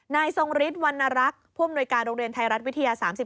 ทรงฤทธิ์วรรณรักษ์ผู้อำนวยการโรงเรียนไทยรัฐวิทยา๓๔